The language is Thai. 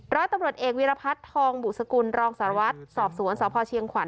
ร้อยตำรวจเอกวีรพัฒน์ทองบุษกุลรองสารวัตรสอบสวนสพเชียงขวัญ